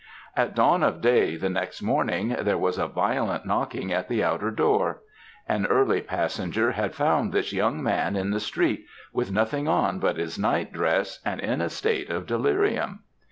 "At dawn of day, the next morning, there was a violent knocking at the outer door; an early passenger had found this young man in the street, with nothing on but his night dress, and in a state of delirium.